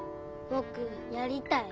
ぼくやりたい。